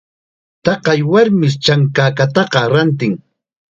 Taqay warmish chankakata rantin.